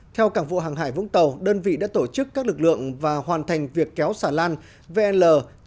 theo cảng vụ hàng hải vũng tàu đơn vị đã tổ chức các lực lượng và hoàn thành việc kéo xà lan vnl chín nghìn chín